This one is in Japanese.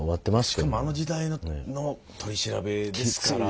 しかもあの時代の取り調べですから。